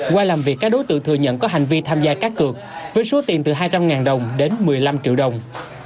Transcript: qua làm việc các đối tượng thừa nhận có hành vi tham gia các cược với số tiền từ hai trăm linh đồng đến một mươi năm triệu đồng